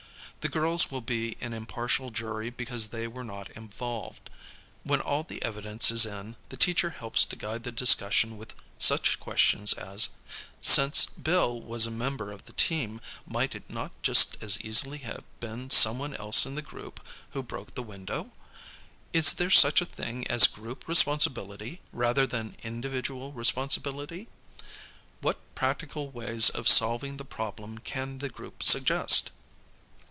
The girls will be an impartial jury because they were not involved. When all the evidence is in. the teacher helps to guide the discussion with such questions as, "Since Bill was a member of the team, might it not just as easily have been someone else in the group who broke the window? Is there such a thing as group responsibility rather than individual responsi bility? What practical ways of solving the problem can the group suggest?"